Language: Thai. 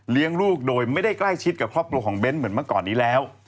ลูกโดยไม่ได้ใกล้ชิดกับครอบครัวของเบ้นเหมือนเมื่อก่อนนี้แล้ว